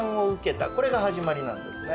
これが始まりなんですね。